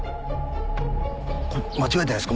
これ間違えてないっすか？